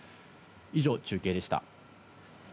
以上、中継でした。